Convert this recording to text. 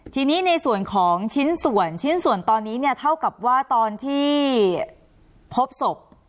ทีนี้ในส่วนของชิ้นส่วนชิ้นส่วนตอนนี้เนี่ยเท่ากับว่าตอนที่พบศพ